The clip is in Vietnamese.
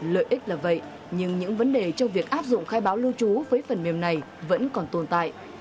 lợi ích là vậy nhưng những vấn đề trong việc áp dụng khai báo lưu trú với phần mềm này vẫn còn tồn tại